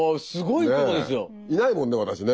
いないもんね私ね。